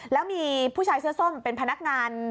แล้วมีผู้ชายเสื้อส้มเป็นพนักงาน